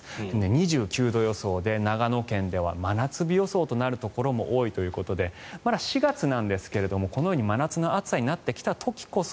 ２９度予想で長野県では真夏日予想となるところも多いようでまだ４月なんですが、このように真夏の暑さになってきた時こそ